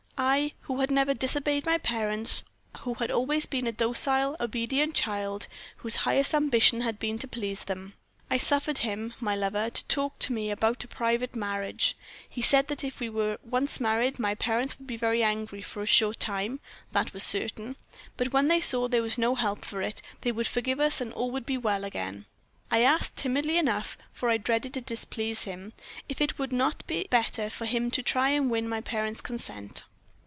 I, who had never disobeyed my parents, who had always been a docile, obedient child, whose highest ambition had been to please them. I suffered him, my lover, to talk to me about a private marriage! He said that if we were once married, my parents would be very angry for a short time, that was certain: but when they saw there was no help for it, they would forgive us and all would be well again. I asked, timidly enough, for I dreaded to displease him, if it would not be better for him to try to win my parents' consent.